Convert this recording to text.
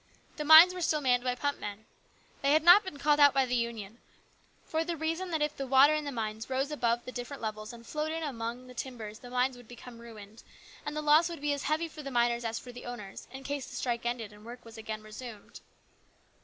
The mines were still manned by pump men. They had not been called out by the Union, for the reason that if once the water in the mines rose above the different levels and flowed in among the timbers the mines would become ruined, and the loss would be as heavy for the miners as for the owners, in case the strike ended and work was again resumed.